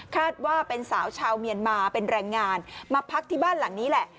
ว่าเป็นสาวชาวเมียนมาเป็นแรงงานมาพักที่บ้านหลังนี้แหละ